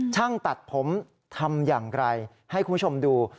ช่างตัดผมทำอย่างไรให้คุณผู้ชมดู